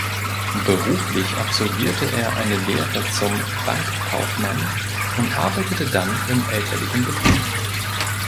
Beruflich absolvierte er eine Lehre zum Bankkaufmann und arbeitete dann im elterlichen Betrieb.